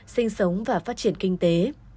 sinh sống và phát triển kinh tế